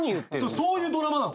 そういうドラマなの。